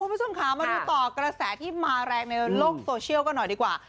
คุณผู้ชมค่ะมาดูต่อกระแสที่มาแรงในโลกโซเชียลกันหน่อยดีกว่า